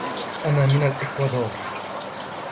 أنا من الإكوادور.